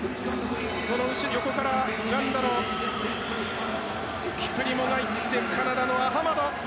その横からウガンダのキプリモがいってカナダのアハマド。